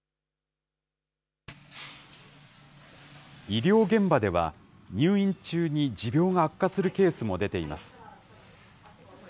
医療現場では、入院中に持病が悪化するケースも出ています。